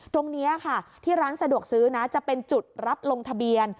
ตรงนี้ค่ะที่ร้านสะดวกซื้อนะจะเป็นจุดรับลงทะเบียน